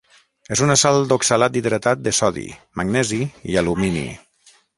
És una sal d'oxalat hidratat de sodi, magnesi i alumini.